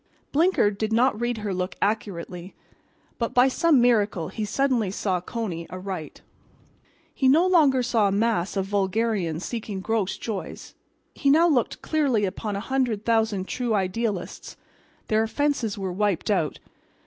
Blinker did not read her look accurately, but by some miracle he suddenly saw Coney aright. He no longer saw a mass of vulgarians seeking gross joys. He now looked clearly upon a hundred thousand true idealists. Their offenses were wiped out.